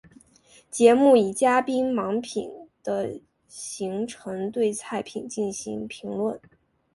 节目以嘉宾盲品的形式对菜品进行评论。